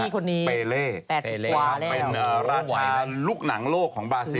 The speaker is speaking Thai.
อาจจะเป็นเปเลเปเลเป็นราชาลูกหนังโลกของบราซิล